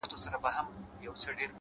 ستا مين درياب سره ياري کوي؛